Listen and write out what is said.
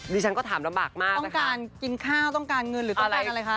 ฉันก็ถามลำบากมากต้องการกินข้าวต้องการเงินหรือต้องการอะไรคะ